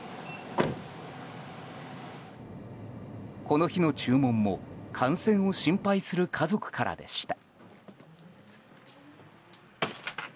この日の注文も感染を心配する家族からでした。